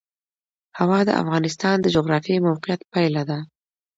هوا د افغانستان د جغرافیایي موقیعت پایله ده.